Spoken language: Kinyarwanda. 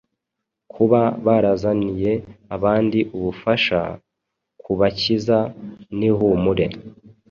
kuba barazaniye abandi ubufasha, kubakiza n’ihumure!